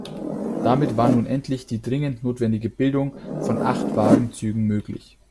Damit war nun endlich die dringend notwendige Bildung von Acht-Wagen-Zügen möglich.